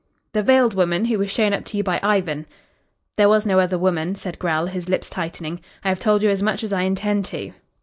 "The veiled woman who was shown up to you by Ivan." "There was no other woman," said Grell, his lips tightening. "I have told you as much as I intend to."